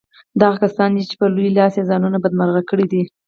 دا هغه کسان دي چې په لوی لاس يې ځانونه بدمرغه کړي دي.